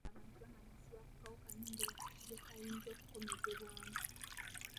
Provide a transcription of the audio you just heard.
Abantu baamanyisibwa ku kawuka n'engeri gye kayinza okomekerezebwamu.